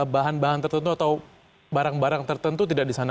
bahan bahan tertentu atau barang barang tertentu tidak di sana